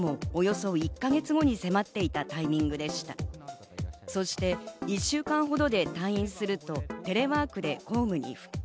そして１週間ほどで退院すると、テレワークで公務に復帰。